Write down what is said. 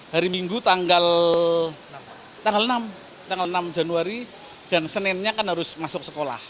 hari minggu tanggal enam januari dan seninya kan harus masuk sekolah